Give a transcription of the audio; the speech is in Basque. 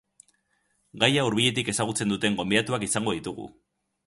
Gaia hurbiletik ezagutzen duten gonbidatuak izango ditugu.